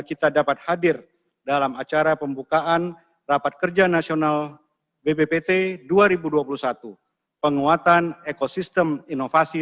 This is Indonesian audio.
kita dapat hadir dalam acara pembukaan rapat kerja nasional bppt dua ribu dua puluh satu penguatan ekosistem inovasi